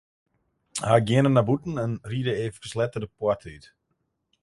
Hja geane nei bûten ta en ride eefkes letter de poarte út.